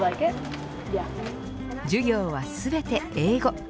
授業は全て英語。